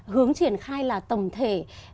hướng triển khai là tổng thể